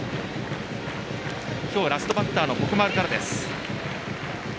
今日、ラストバッターの鉾丸からです。